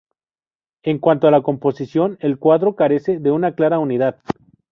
En cuanto a la composición, el cuadro carece de una clara unidad.